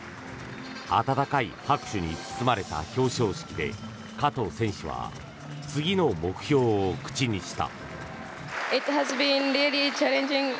温かい拍手に包まれた表彰式で加藤選手は次の目標を口にした。